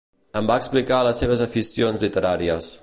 Em va explicar les seves aficions literàries